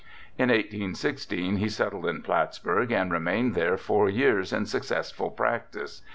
' In 1816 he settled in Plattsburgh and remained there four years in successful practice.